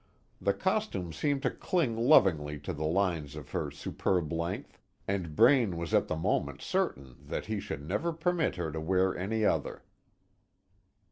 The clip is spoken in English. The costume seemed to cling lovingly to the lines of her superb length, and Braine was at the moment certain that he should never permit her to wear any other.